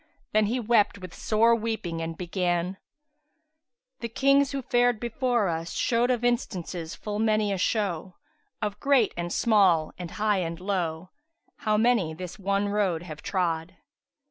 Then he wept with sore weeping and began, "The Kings who fared before us showed * Of instances full many a show: Of great and small and high and low * How many this one road have trod!"